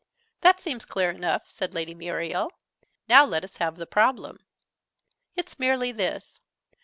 "That seems clear enough," said Lady Muriel. "Now let us have the problem." "It's merely this.